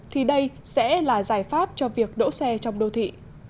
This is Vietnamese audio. thì đây sẽ là giải pháp cho việc đỗ xe trong đô thị